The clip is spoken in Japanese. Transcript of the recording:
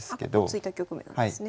突いた局面なんですね。